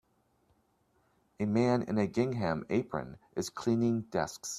A man in a gingham apron is cleaning desks.